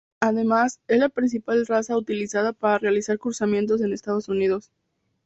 Además, es la principal raza utilizada para realizar cruzamientos en Estados Unidos.